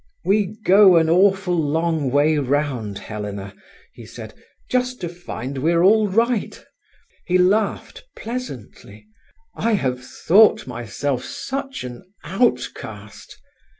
"We go an awful long way round, Helena," he said, "just to find we're all right." He laughed pleasantly. "I have thought myself such an outcast!